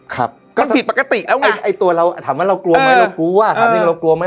ครับก็ผิดปกติแล้วไงไอ้ตัวเราถามว่าเรากลัวไหมเรากลัวถามจริงเรากลัวไหม